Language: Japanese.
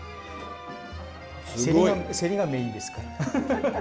せりがメインですから。